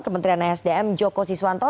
kementerian asdm joko siswanto